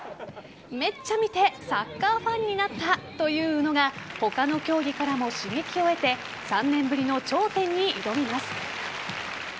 めっちゃ見てサッカーファンになったという宇野が他の競技からも刺激を得て３年ぶりの頂点に挑みます。